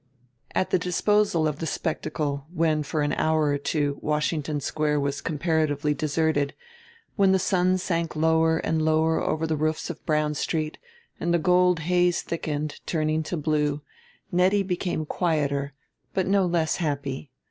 At the disposal of the spectacle, when for an hour or two Washington Square was comparatively deserted, when the sun sank lower and lower over the roofs of Brown Street and the gold haze thickened, turning to blue, Nettie became quieter but no less happy.